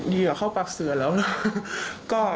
ดีกว่าเข้าปากเสือแล้วนะ